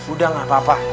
udah nggak apa apa